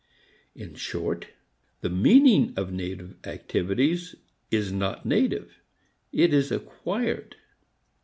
In short, the meaning of native activities is not native; it is acquired.